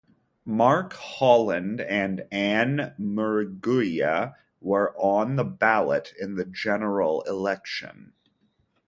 Mark Holland and Ann Murguia were on the ballot in the general election.